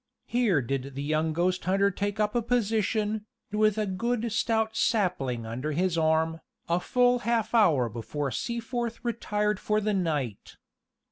Here did the young ghost hunter take up a position, with a good stout sapling under his arm, a full half hour before Seaforth retired for the night.